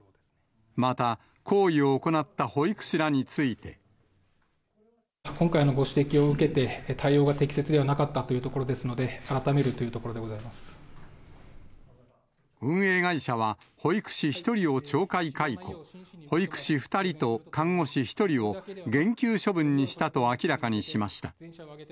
また、行為を行った保育士ら今回のご指摘を受けて、対応が適切ではなかったというところですので、改めるというとこ運営会社は、保育士１人を懲戒解雇、保育士２人と看護師１人を減給処分にしたと明らかにしました。